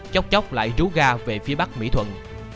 chóc chóc lại rú ga về phía bắc mỹ thuận